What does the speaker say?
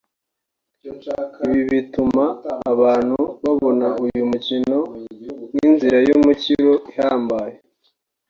ibi bituma abantu babona uyu mukino nk’inzira y’umukiro uhambaye